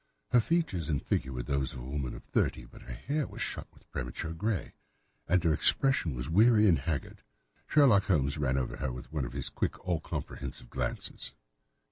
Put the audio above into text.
Her features and figure were those of a woman of thirty, but her hair was shot with premature grey, and her expression was weary and haggard. Sherlock Holmes ran her over with one of his quick, all comprehensive glances.